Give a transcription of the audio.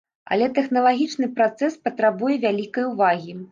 Але тэхналагічны працэс патрабуе вялікай увагі.